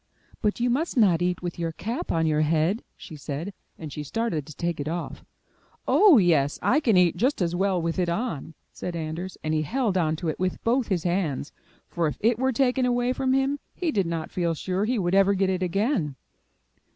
''But you must not eat with your cap on your head, she said, and she started to take it off. *'0h, yes, I can eat just as well with it on,*' said Anders, and he held on to it with both his hands, for if it were taken away from him, he did not feel sure he would ever get it again.